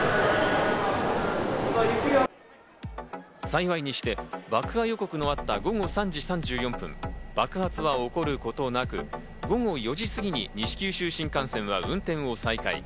幸いにして爆破予告のあった午後３時３４分、爆発は起こることなく午後４時過ぎに西九州新幹線は運転を再開。